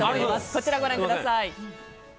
こちらご覧ください。